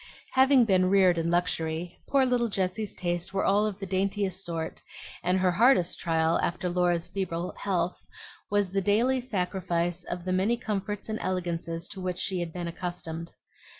Having been reared in luxury, poor little Jessie's tastes were all of the daintiest sort; and her hardest trial, after Laura's feeble health, was the daily sacrifice of the many comforts and elegances to which she had been accustomed.